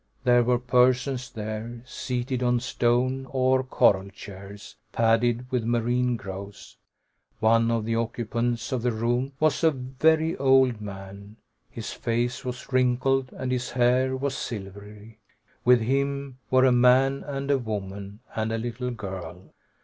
There were persons there, seated on stone or coral chairs, padded with marine growths. One of the occupants of the room was a very old man; his face was wrinkled, and his hair was silvery. With him were a man and a woman, and a little girl.